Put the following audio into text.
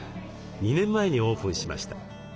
２年前にオープンしました。